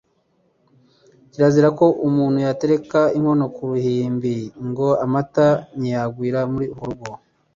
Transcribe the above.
Kirazira ko umuntu yatereka inkono ku ruhimbi, ngo amata nyiyagwira muri urwo rugo